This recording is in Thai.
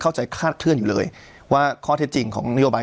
เข้าใจคาดเทื้อนอยู่เลยว่าข้อเทจริงของนโลบาย